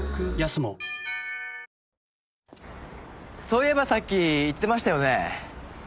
そういえばさっき言ってましたよね。